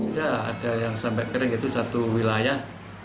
tidak ada yang sampai kering itu satu wilayah